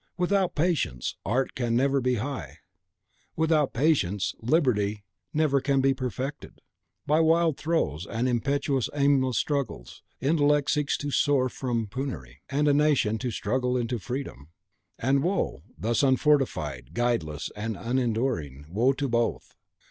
Without patience, art never can be high; without patience, liberty never can be perfected. By wild throes, and impetuous, aimless struggles, Intellect seeks to soar from Penury, and a nation to struggle into Freedom. And woe, thus unfortified, guideless, and unenduring, woe to both!